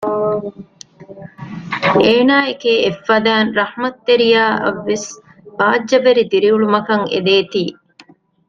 އޭނާއެކޭ އެއްފަދައިން ރަޙްމަތްތެރިޔާއަށްވެސް ބާއްޖަވެރި ދިރިއުޅުމަކަށް އެދޭތީ